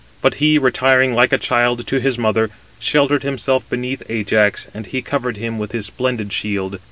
But he 279 retiring like a child to his mother, sheltered himself beneath Ajax, and he covered him with his splendid shield.